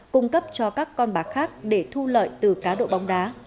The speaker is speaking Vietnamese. cung cấp cho các con bạc khác để thu lợi từ cá độ bóng đá